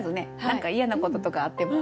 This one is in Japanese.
何か嫌なこととかあっても。